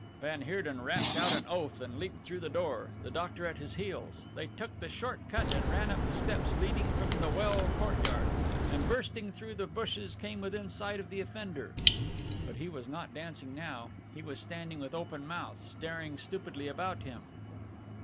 Van Heerden rapped out an oath and leapt through the door, the doctor at his heels. They took the short cut and ran up the steps leading from the well courtyard, and bursting through the bushes came within sight of the offender. But he was not dancing now. He was standing with open mouth, staring stupidly about him.